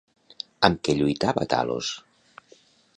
Amb què lluitava Talos?